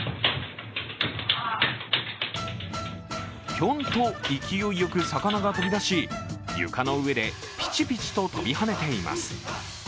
ぴょんと、勢いよく魚が飛び出し、床の上でピチピチと跳びはねています。